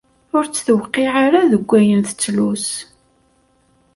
Ur tt-tewqiɛ ara deg ayen tettlus.